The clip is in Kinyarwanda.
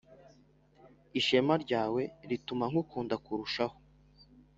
ishema ryawe rituma nkukunda kurushaho